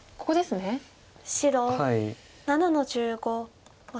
白７の十五オシ。